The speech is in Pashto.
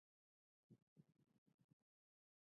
چین په بهرنیو اړیکو کې پرمختګ کړی.